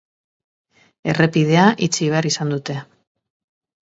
Errepidea itxi behar izan dute.